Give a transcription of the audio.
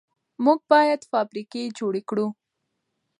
موږ باید فابریکې جوړې کړو.